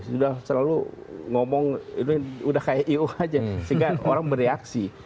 sudah selalu ngomong ini udah kayak iu aja sehingga orang bereaksi